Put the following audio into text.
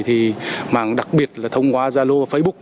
thì mạng đặc biệt là thông qua gia lô và facebook